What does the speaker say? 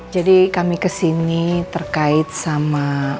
jadi kami kesini terkait sama